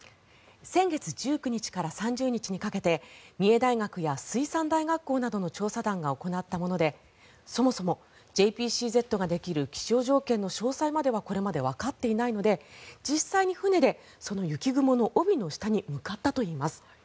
先月１９日から３０日にかけて三重大学や水産大学校などの調査団が行ったものでそもそもＪＰＣＺができる気象条件の詳細まではこれまでわかっていないので実際に船で、その雪雲の帯の下に向かったといいます。